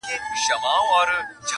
سل توپکه به په یو کتاب سودا کړو،